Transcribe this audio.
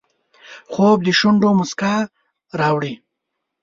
خوب د شونډو مسکا راوړي